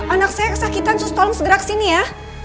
anak saya kesakitan sus tolong segera kesini ya